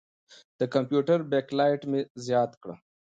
د کمپیوټر بیک لایټ مې زیات کړ.